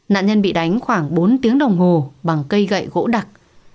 nạn nhân bị đánh khoảng bốn tiếng đồng hồ bằng cây gậy gỗ đặc